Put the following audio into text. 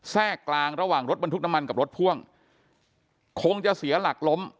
แทรกกลางระหว่างรถบรรทุกน้ำมันกับรถพ่วงคงจะเสียหลักล้ม